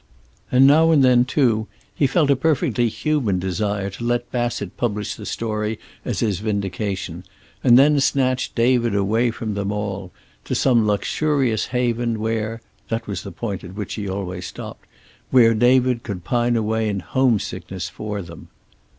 And now and then, too, he felt a perfectly human desire to let Bassett publish the story as his vindication and then snatch David away from them all, to some luxurious haven where that was the point at which he always stopped where David could pine away in homesickness for them!